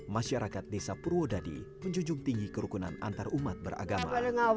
masyarakat desa purwodadi menjunjung tinggi kerukunan antarumat beragama